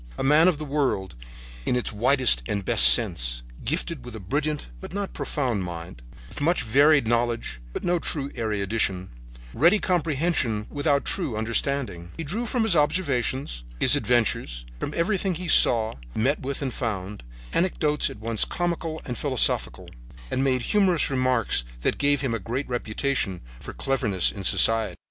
A man of the world in its widest and best sense, gifted with a brilliant, but not profound, mind, with much varied knowledge, but no true erudition, ready comprehension without true understanding, he drew from his observations, his adventures, from everything he saw, met with and found, anecdotes at once comical and philosophical, and made humorous remarks that gave him a great reputation for cleverness in society.